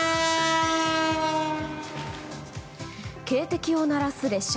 警笛を鳴らす列車。